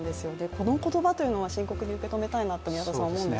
この言葉というのは深刻に受け止めたいなと思うんですが。